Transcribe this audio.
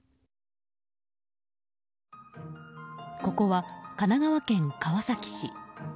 ここは神奈川県川崎市。